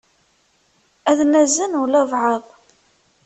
Ad nazen walebɛaḍ.